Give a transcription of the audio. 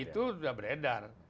itu sudah beredar